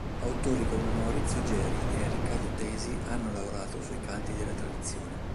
Autori come Maurizio Geri e Riccardo Tesi hanno lavorato sui canti della tradizione.